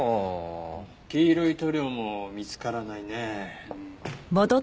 黄色い塗料も見つからないね。